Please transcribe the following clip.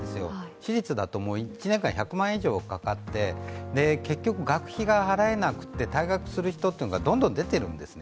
私立だと１年間１００万円以上もかかって、結局、学費がは払えなくて退学する人がどんどん出ているんですね。